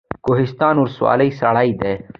کوهستان ولسوالۍ سړه ده؟